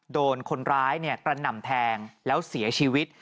โดนคนร้ายกระหน่ำแทงแล้วเสียชีวิต